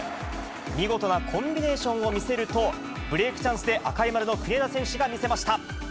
見事なコンビネーションを見せると、ブレークチャンスで、赤い丸の国枝選手が魅せました。